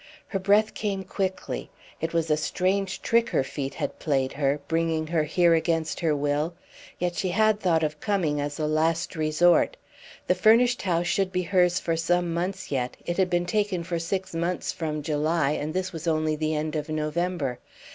Her breath came quickly. It was a strange trick her feet had played her, bringing her here against her will! Yet she had thought of coming as a last resort. The furnished house should be hers for some months yet; it had been taken for six months from July, and this was only the end of November.